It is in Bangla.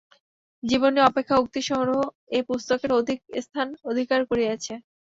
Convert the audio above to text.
জীবনী অপেক্ষা উক্তি-সংগ্রহ এ পুস্তকের অধিক স্থান অধিকার করিয়াছে।